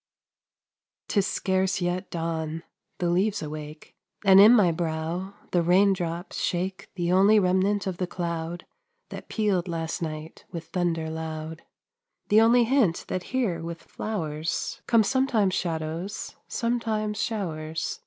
'Tis scarce yet dawn, the leaves awake, And in my brow the raindrops shake The only remnant of the cloud That pealed last night with thunder loud; The only hint that here with flowers Come sometimes shadows, sometimes showers.